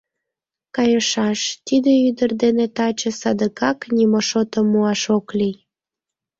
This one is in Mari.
Кайышаш: тиде ӱдыр дене таче садыгак нимо шотымат муаш ок лий.